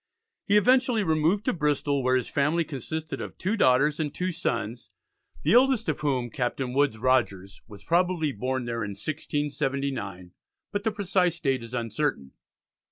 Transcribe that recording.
He eventually removed to Bristol, where his family consisted of two daughters and two sons, the eldest of whom, Captain Woodes Rogers, was probably born there in 1679, but the precise date is uncertain.